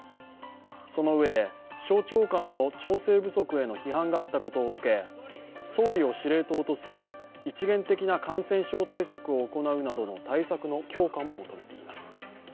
そのうえで省庁間の調整不足への批判があったことを受け総理を司令塔とする一元的な感染症対策を行うなどの対策の強化も求めています。